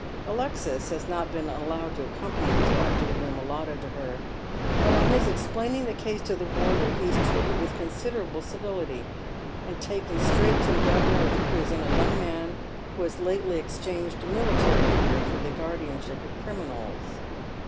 Alexis has not been allowed to accompany his wife to the room allotted to her, but on his explaining the case to the warder he is treated with considerable civility, and taken straight to the governor of the prison, a young man who has lately exchanged ^ military career for the guardianship of criminals.